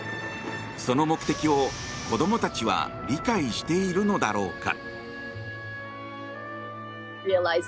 その目的を子供たちは理解しているのだろうか？